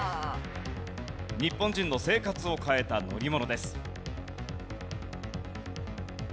日本人の生活を変えた乗り物です。